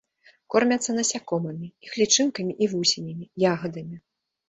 Кормяцца насякомымі, іх лічынкамі і вусенямі, ягадамі.